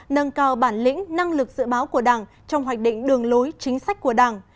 nâng cao bản lĩnh năng lực dự báo của đảng trong hoạch định đường lối chính sách của đảng